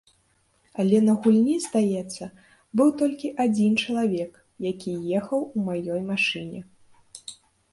Але на гульні, здаецца, быў толькі адзін чалавек, які ехаў у маёй машыне.